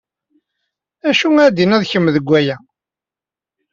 D acu ara tinid kemm deg waya?